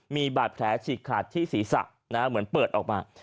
มีบาดแผลฉีกขาดที่ศีรษะเหมือนเปิดออกมา